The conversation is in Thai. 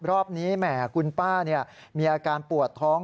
รอบนี้แหมคุณป้ามีอาการปวดท้อง